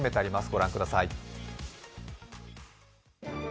ご覧ください。